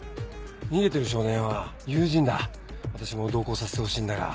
逃げてる少年は友人だ私も同行させてほしいんだが。